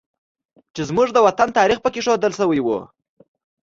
چې زموږ د وطن تاریخ پکې ښودل شوی و